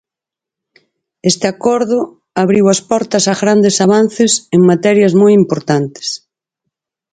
Este acordo abriu as portas a grandes avances en materias moi importantes.